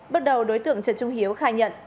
bước đầu đối tượng trần trung hiếu khai nhận